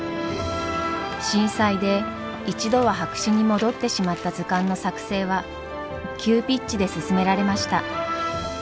震災で一度は白紙に戻ってしまった図鑑の作成は急ピッチで進められました。